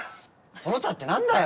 その他って何だよ。